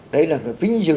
đấy là vinh dự